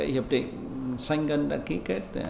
hiệp định xanh gân đã ký kết